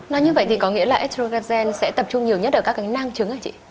nói như vậy thì có nghĩa là ớt dô xen sẽ tập trung nhiều nhất ở các cái năng trứng hả chị